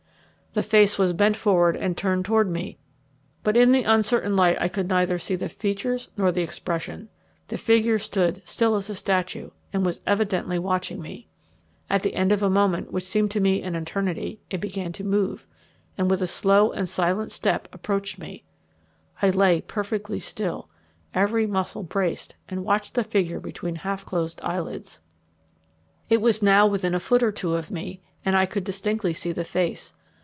The face was bent forward and turned toward me, but in the uncertain light I could neither see the features nor the expression. The figure stood as still as a statue, and was evidently watching me. At the end of a moment, which seemed to me an eternity, it began to move, and, with a slow and silent step, approached me. I lay perfectly still, every muscle braced, and watched the figure between half closed eyelids. It was now within a foot or two of me, and I could distinctly see the face.